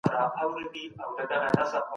وضاحت د مسایلو په پوهیدو کي اسانتیا راولي.